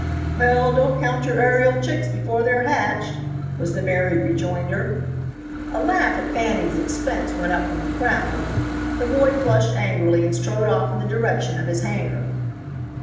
"Well, don't count your aerial chicks before they're hatched," was the merry rejoinder. A laugh at Fanning's expense went up from the crowd. The boy flushed angrily and strode off in the direction of his hangar.